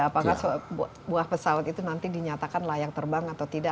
apakah buah pesawat itu nanti dinyatakan layak terbang atau tidak